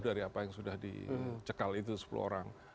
dari apa yang sudah dicekal itu sepuluh orang